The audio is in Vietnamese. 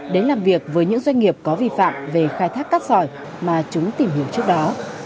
đến làm việc với những doanh nghiệp có vi phạm về khai thác cát sỏi mà chúng tìm hiểu trước đó